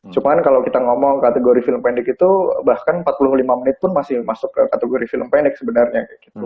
cuman kalau kita ngomong kategori film pendek itu bahkan empat puluh lima menit pun masih masuk kategori film pendek sebenarnya